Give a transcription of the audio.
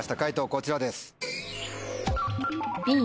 こちらです。